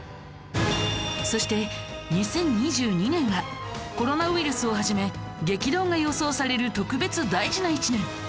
そして２０２２年はコロナウイルスを始め激動が予想される特別大事な１年